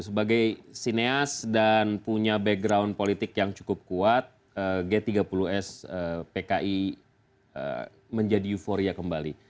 sebagai sineas dan punya background politik yang cukup kuat g tiga puluh s pki menjadi euforia kembali